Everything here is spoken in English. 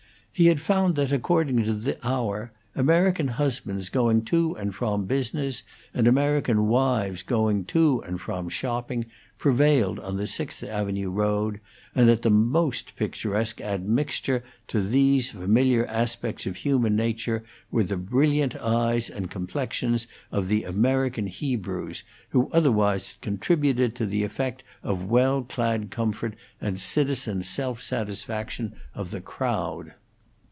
He had found that, according to the hour, American husbands going to and from business, and American wives going to and from shopping, prevailed on the Sixth Avenue road, and that the most picturesque admixture to these familiar aspects of human nature were the brilliant eyes and complexions of the American Hebrews, who otherwise contributed to the effect of well clad comfort and citizen self satisfaction of the crowd.